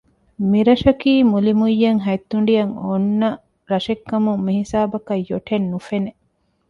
މިރަށަކީ މުލިމުއްޔަށް ހަތް ތުނޑިއަށް އޮންނަ ރަށެއް ކަމުން މިހިސާބަކަށް ޔޮޓެއް ނުފެނެ